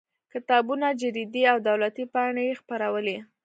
کتابونه جریدې او دولتي پاڼې یې خپرولې.